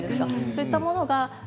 そういったもの